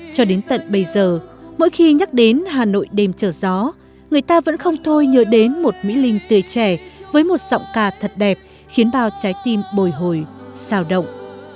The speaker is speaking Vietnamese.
cho đến tận bây giờ mỗi khi nhắc đến hà nội đêm trời gió người ta vẫn không thôi nhớ đến một mỹ linh tươi trẻ với một giọng ca thật đẹp khiến bao trái tim bồi hồi sàng động